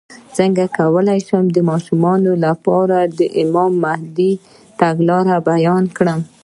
څنګه کولی شم د ماشومانو لپاره د امام مهدي راتګ بیان کړم